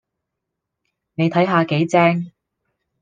你睇下幾正